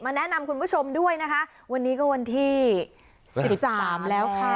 แนะนำคุณผู้ชมด้วยนะคะวันนี้ก็วันที่สิบสามแล้วค่ะ